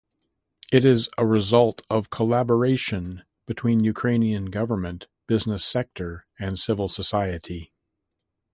It is a result of collaboration between Ukrainian government, business sector, and civil society.